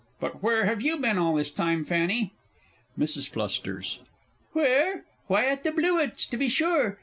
But where have you been all this time, Fanny? MRS. F. Where? Why, at the Blewitts, to be sure.